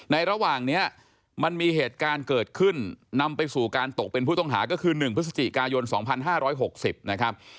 ระหว่างนี้มันมีเหตุการณ์เกิดขึ้นนำไปสู่การตกเป็นผู้ต้องหาก็คือ๑พฤศจิกายน๒๕๖๐นะครับ